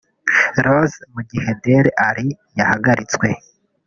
Rose mu gihe Dele Alli yahagaritswe